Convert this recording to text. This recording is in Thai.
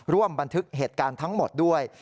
บันทึกเหตุการณ์ทั้งหมดด้วย